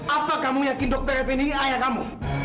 apa kamu yakin dokter f ini ayah kamu